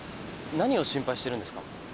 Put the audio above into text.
何を心配してるんですか？